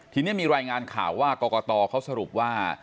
ทีนี้มีรายงานข่าวว่ากรกตเขาสรุปว่า